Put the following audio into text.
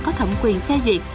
có thẩm quyền phê duyệt